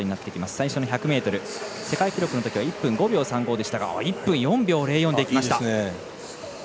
最初の１００ｍ世界記録のときは１分５秒３５でしたが１分４秒０４できました。